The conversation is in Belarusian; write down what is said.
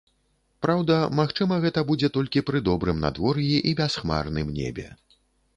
Праўда, магчыма гэта будзе толькі пры добрым надвор'і і бясхмарным небе.